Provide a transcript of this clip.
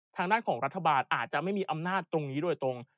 ทางด้านของรัฐบาลอาจจะไม่มีอำนาจตรงนี้โดยตรง